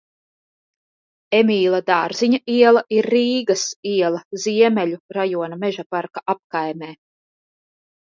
Emīla Dārziņa iela ir Rīgas iela, Ziemeļu rajona Mežaparka apkaimē.